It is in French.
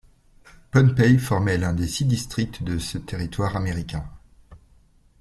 Pohnpei formait l'un des six districts de ce territoire américain.